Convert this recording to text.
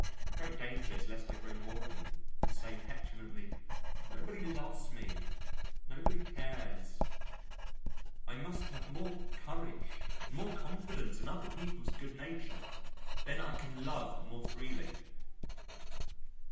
My great danger is lest I grow maudlin and say petulantly, "Nobody loves me, nobody cares." I must have more courage and more confidence in other people's good nature. Then I can love more freely.